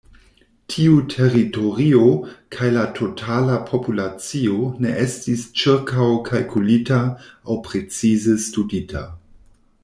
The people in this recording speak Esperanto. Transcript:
Tiu teritorio kaj la totala populacio ne estis ĉirkaŭkalkulita aŭ precize studita.